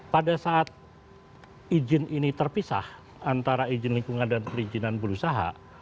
pada saat izin ini terpisah antara izin lingkungan dan perizinan berusaha